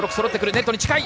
ネットに近い。